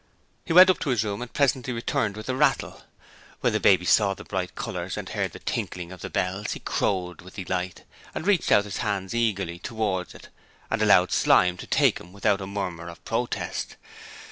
He went up to his room and presently returned with the rattle. When the baby saw the bright colours and heard the tinkling of the bells he crowed with delight, and reached out his hands eagerly towards it and allowed Slyme to take him without a murmur of protest.